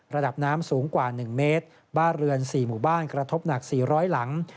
ระดับน้ำสูงกว่า๑เมตรบ้านเรือน๔หมู่บ้านกระทบหนัก๔๐๐หลัง